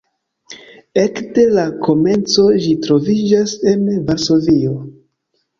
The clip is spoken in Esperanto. Ekde la komenco ĝi troviĝas en Varsovio.